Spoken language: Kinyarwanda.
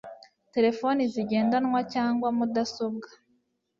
telefoni zigendanwa cyangwa mudasobwa